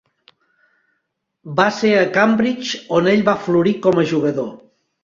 Va ser a Cambridge on ell va florir com a jugador.